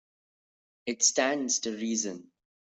It stands to reason.